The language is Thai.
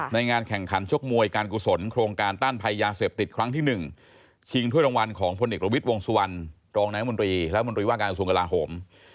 งานแข่งขันชกมวยการกุศลโครงการต้านภัยยาเสพติดครั้งที่๑ชิงถ้วยรางวัลของพลเอกประวิทย์วงสุวรรณรองนายมนตรีรัฐมนตรีว่าการกระทรวงกลาโหม